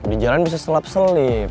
di jalan bisa selap selip